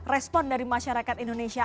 respon dari masyarakat indonesia